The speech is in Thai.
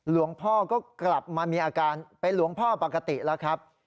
หลวงพ่อก็กลับมามีอาการเป็นหลวงพ่อปกติแล้วครับ